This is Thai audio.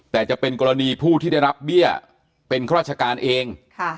แต่จะเป็นกรณีผู้ที่ได้รับเบี้ยเป็นข้าราชการเอง